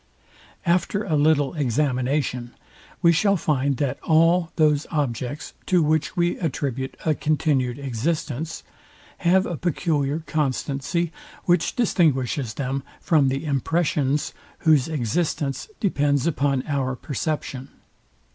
After a little examination, we shall find, that all those objects, to which we attribute a continued existence, have a peculiar constancy, which distinguishes them from the impressions, whose existence depends upon our perception.